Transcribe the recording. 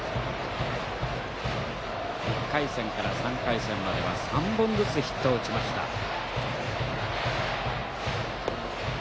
１回戦から３回戦までは３本ずつヒットを打ちました。